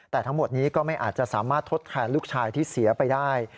แต่ทั้งหมดนี้ก็ไม่อาจจะสามารถทดแทนลูกชายที่เสียไปได้